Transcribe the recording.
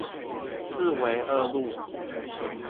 四維二路